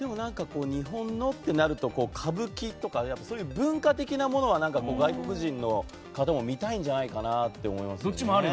日本のってなると歌舞伎とかそういう文化的なものは外国人の方も見たいんじゃないかなって思いますね。